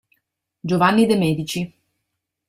Giovanni de' Medici